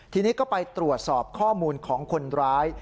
ทีนี้ก็ไปตรวจสอบข้อมูลของคนร้าย